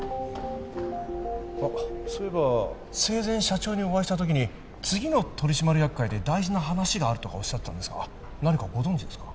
あッそういえば生前社長にお会いしたときに次の取締役会で大事な話があるとか言ってたんですが何かご存じですか？